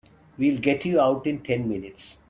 We'll get you out in ten minutes.